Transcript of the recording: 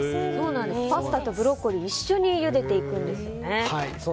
パスタとブロッコリー一緒にゆでていくんですよね。